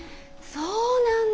そうなんだ。